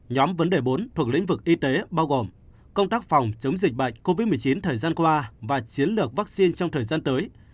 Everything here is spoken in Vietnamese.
nhóm vấn đề bốn thuộc lĩnh vực y tế bao gồm công tác phòng chống dịch bệnh covid một mươi chín thời gian qua và chiến lược vaccine trong thời gian tới